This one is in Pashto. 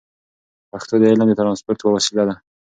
پښتو د علم د ترانسپورت یوه وسیله ده.